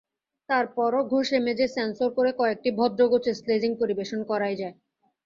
তার পরও ঘষেমেজে, সেন্সর করে কয়েকটি ভদ্রগোছের স্লেজিং পরিবেশন করাই যায়।